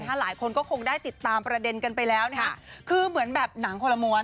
หลายคนก็คงได้ติดตามประเด็นกันไปแล้วนะคะคือเหมือนแบบหนังคนละม้วน